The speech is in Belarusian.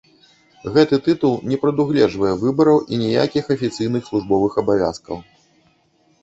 Гэты тытул не прадугледжвае выбараў і ніякіх афіцыйных службовых абавязкаў.